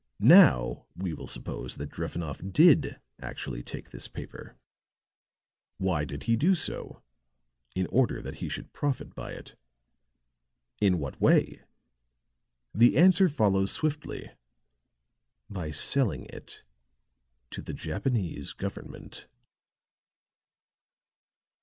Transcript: Now we will suppose that Drevenoff did actually take this paper. Why did he do so? In order that he should profit by it. In what way? The answer follows swiftly: by selling it to the Japanese government."